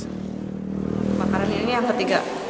kebakaran ini yang ketiga